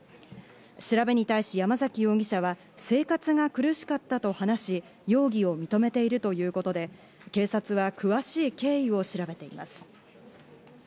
調べに対し山崎容疑者は生活が苦しかったと話し、容疑を認めているということで警察は詳しい経緯を調べています。